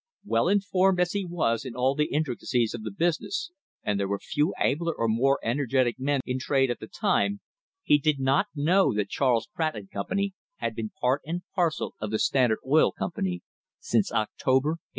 Well informed as he was in all the intri ^acies of the business — and there were few abler or more nergetic men in trade at the time — he did not know that Charles Pratt and Company had been part and parcel of the Standard Oil Company since October, 1874.